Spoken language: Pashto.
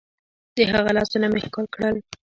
د هغه لاسونه مې ښكل كړل.